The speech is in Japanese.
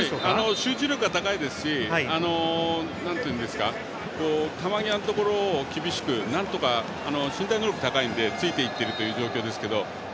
集中力が高いですし球際のところを厳しくなんとか身体能力高いのでついていっている状況ですけど。